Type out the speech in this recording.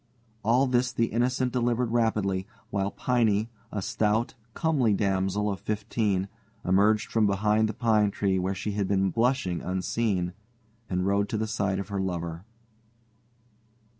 All this the Innocent delivered rapidly, while Piney, a stout, comely damsel of fifteen, emerged from behind the pine tree, where she had been blushing unseen, and rode to the side of her lover.